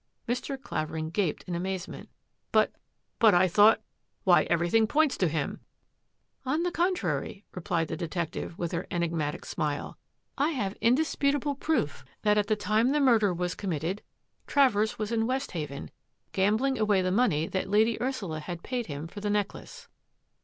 Mr, Clavering gaped in amazement. " But — but I thought — why, everything points to him," " On the contrary," replied the detective, with her enigmatic smile, ^^ I have indisputable proof 94* THAT AFFAIR AT THE MANOR that at the time the murder was committed Travers was in Westhaven, gambling away the money that Lady Ursula had paid him for the necklace."